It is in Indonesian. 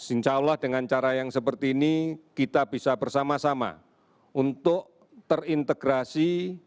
insya allah dengan cara yang seperti ini kita bisa bersama sama untuk terintegrasi